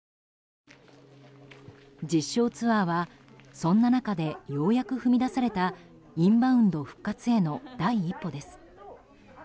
実証ツアーは、そんな中でようやく踏み出されたインバウンド復活への第一歩です。